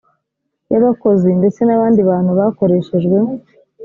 y abakozi ndetse n abandi bantu bakoreshejwe